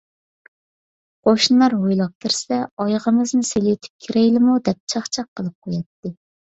قوشنىلار ھويلىغا كىرسە: «ئايىغىمىزنى سېلىۋېتىپ كىرەيلىمۇ؟ » دەپ چاقچاق قىلىپ قوياتتى.